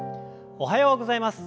おはようございます！